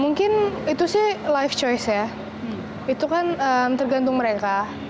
mungkin itu sih life choice ya itu kan tergantung mereka